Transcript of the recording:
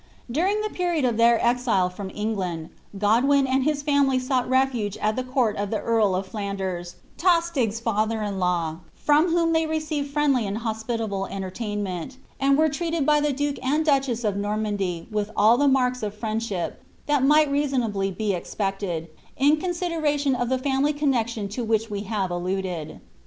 During ihe period of their exile from England. OcNJiriR and liis famtiy HDUptil refuge ai ihe coun of ihe eaii of Flanders, To» tig> fallier iit kw, front ivtioiu lliey received friendly and hospitable en lenaintnent. and were treated by the duke and duchess of Nornisndy with all the macka of friendship that might reasonably be expected, in ' I of the family connexion to which we have alluded.'